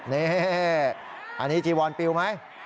นี่อันนี้จีวอนปิวไหม